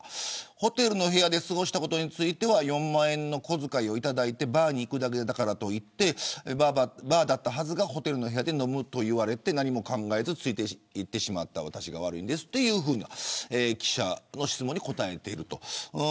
ホテルの部屋で過ごしたことについては４万円の小遣いをいただいてバーに行くだけだから、といってバーだったはずがホテルの部屋で飲むと言われて何も考えずついていってしまった私が悪いんです、というふうな記者の質問に答えていると。